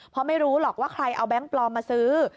เพราะไม่รู้หรอกว่าใครเอาแบงค์ปลอมมาซื้อ